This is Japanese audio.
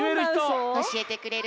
おしえてくれる？